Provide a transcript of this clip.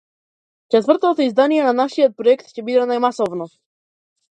Четвртото издание на нашиот проект ќе биде најмасовно.